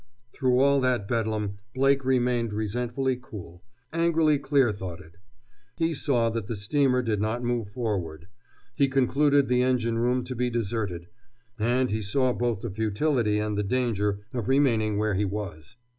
Through all that bedlam Blake remained resentfully cool, angrily clear thoughted. He saw that the steamer did not move forward. He concluded the engine room to be deserted. And he saw both the futility and the danger of remaining where he was.